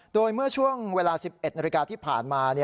โดยเมื่อช่วงเวลา๑๑นาฬิกาที่ผ่านมา